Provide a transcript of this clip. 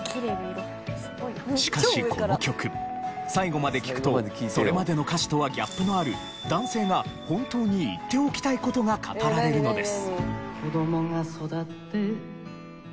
しかしこの曲最後まで聴くとそれまでの歌詞とはギャップのある男性が本当に言っておきたい事が語られるのです。